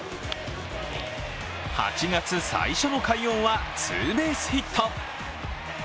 ８月最初の快音は、ツーベースヒット。